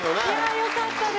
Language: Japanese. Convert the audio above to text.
よかったです。